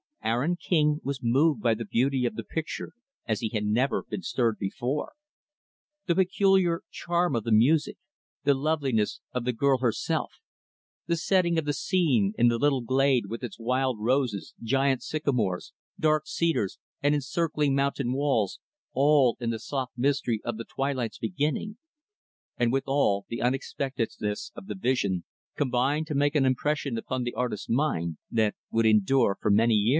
Aaron King was moved by the beauty of the picture as he had never been stirred before. The peculiar charm of the music; the loveliness of the girl herself; the setting of the scene in the little glade with its wild roses, giant sycamores, dark cedars, and encircling mountain walls, all in the soft mystery of the twilight's beginning; and, withal, the unexpectedness of the vision combined to make an impression upon the artist's mind that would endure for many years.